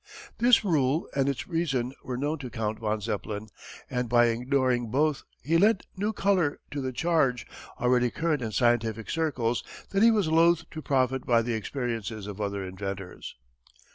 This rule and its reason were known to Count von Zeppelin and by ignoring both he lent new colour to the charge, already current in scientific circles, that he was loath to profit by the experiences of other inventors.